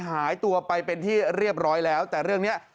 หายตัวไปเป็นที่เรียบร้อยแล้วแต่เรื่องนี้